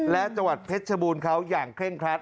และจังหวัดเพชรชบูรณ์เขาอย่างเคร่งครัด